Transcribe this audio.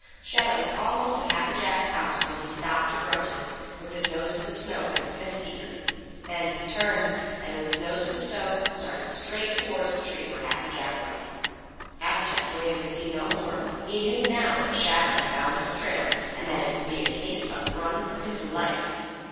Shadow was almost at Happy Jack's house when he stopped abruptly with his nose to the snow and sniffed eagerly. Then he turned, and with his nose to the snow, started straight toward the tree where Happy Jack was. Happy Jack waited to see no more. He knew now that Shadow had found his trail and that it was to be a case of run for his life.